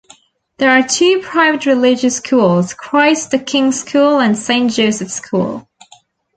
There are two private religious schools: Christ the King School and Saint Joseph School.